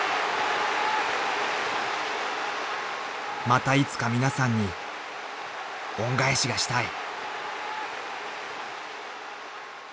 ［またいつか皆さんに恩返しがしたい］